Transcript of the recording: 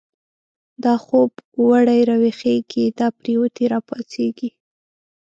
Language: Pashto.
دا خوب وړی راويښږی، دا پريوتی را پا څيږی